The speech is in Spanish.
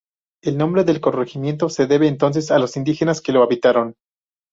El nombre del corregimiento se debe entonces a los indígenas que lo habitaron.